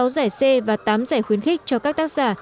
sáu giải c và tám giải khuyến khích cho các tác giả